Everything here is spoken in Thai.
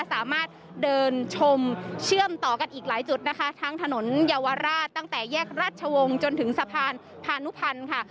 สามารถเดินชมเชื่อมต่อกันอีกหลายจุดนะคะทั้งถนนเยาวราชตั้งแต่แยกราชวงศ์จนถึงสะพานพานุพันธ์ค่ะ